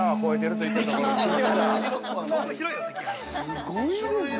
◆すごいですね。